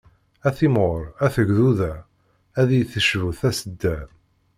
Ad timɣur, ad tegduda, ad iyi-tecbu tasedda.